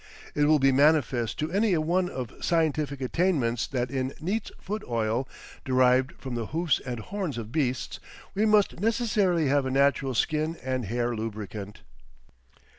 It will be manifest to any one of scientific attainments that in Neat's Foot Oil derived from the hoofs and horns of beasts, we must necessarily have a natural skin and hair lubricant."